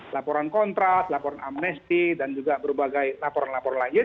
laporan kontras laporan amnesti dan juga berbagai laporan lainnya